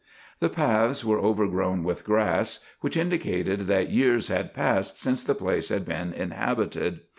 The paths were overgrown with grass, which indicated that years had passed since the place had been inhabited.